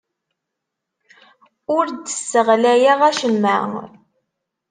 Ur d-sseɣlayeɣ acemma.